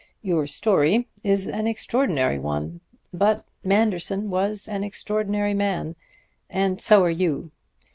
Your story is an extraordinary one; but Manderson was an extraordinary man, and so are you.